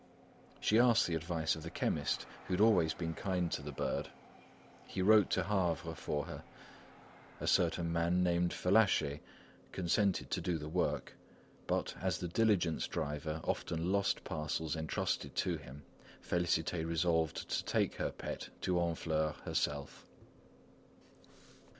She asked the advice of the chemist, who had always been kind to the bird. He wrote to Havre for her. A certain man named Fellacher consented to do the work. But, as the diligence driver often lost parcels entrusted to him, Félicité resolved to take her pet to Honfleur herself.